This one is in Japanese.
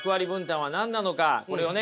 これをね